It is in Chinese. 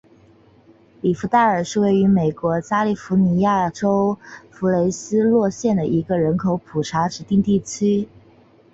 里弗代尔是位于美国加利福尼亚州弗雷斯诺县的一个人口普查指定地区。